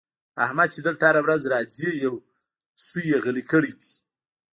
احمد چې دلته هره ورځ راځي؛ يو سوی يې غلی کړی دی.